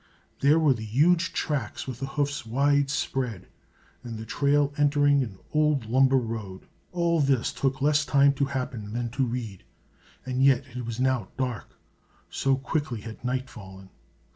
There were the huge tracks with the hoofs wide spread, and the trail entering an old lumber road. All this took less time to happen than to read, and yet it was now dark, so quickly had night fallen.